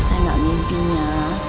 saya gak mimpi ya